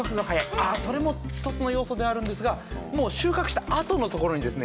ああそれも１つの要素ではあるんですがもう収穫したあとのところにですね